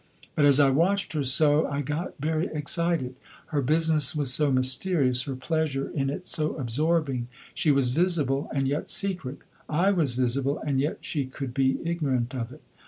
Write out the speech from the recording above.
But as I watched her so I got very excited. Her business was so mysterious, her pleasure in it so absorbing; she was visible and yet secret; I was visible, and yet she could be ignorant of it.